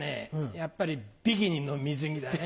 やっぱりビキニの水着だね。